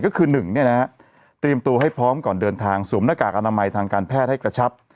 ก็คือ๑เตรียมตัวให้พร้อมก่อนเดินทางสวมหน้ากากอนามัยทางการแพทย์ให้กระชับ